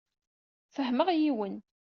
Fehmeɣ yiwen.